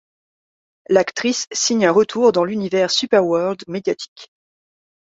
L'actrice signe un retour dans l'univers SuperWorld médiatique.